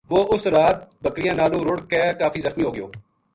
وہ اُس رات بکریاں نالوں رُڑھ کے کافی زخمی ہو گیو